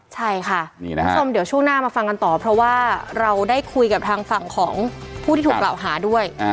ใช่ค่ะคุณผู้ชมเดี๋ยวช่วงหน้ามาฟังกันต่อเพราะว่าเราได้คุยกับทางฝั่งของผู้ที่ถูกกล่าวหาด้วย